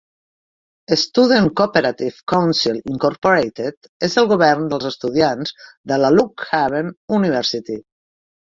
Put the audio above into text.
Student Cooperative Council, Incorporated és el govern dels estudiants de la Lock Haven University.